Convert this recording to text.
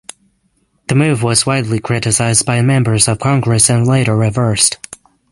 The move was widely criticized by members of Congress and later reversed.